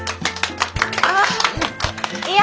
あいや